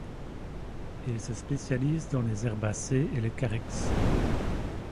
Il se spécialise dans les herbacées et les carex.